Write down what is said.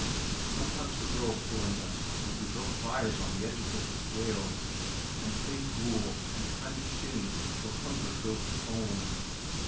Sometimes the girls joined us, and we built fires on the edges of the swales and played "gool" and a kind of "shinny" till hunger drove us home.